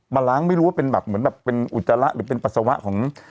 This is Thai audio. มาล้างไม่รู้ว่าเป็นแบบเหมือนแบบเป็นอุจจาระหรือเป็นปัสสาวะของ